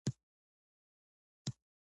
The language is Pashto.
خو زیارکښان په کورونو کې له یخه لړزېږي